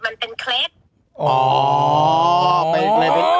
มันเป็นเคล็ด